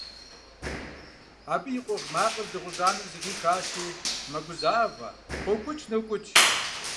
Абы и къугъ макъыр дыгъужь анэм зэхихащи, мэгузавэ, къокӀукӀ-нокӀукӀ.